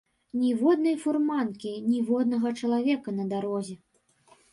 Ніводнай фурманкі, ніводнага чалавека на дарозе.